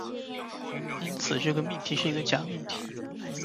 因此，这个命题是一个假命题。